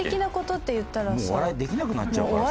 「もうお笑いできなくなっちゃうからさ」。